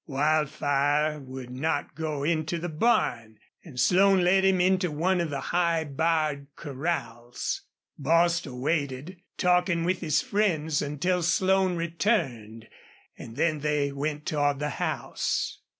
Wildfire would not go into the barn, and Slone led him into one of the high barred corrals. Bostil waited, talking with his friends, until Slone returned, and then they went toward the house.